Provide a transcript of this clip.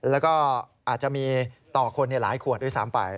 แล้วก็อาจจะมีต่อคนหลายขวดด้วยซ้ำไป